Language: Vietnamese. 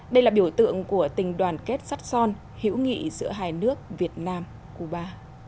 đây là biểu tượng của tình đoàn kết sắt son hữu nghị giữa hai nước việt nam cuba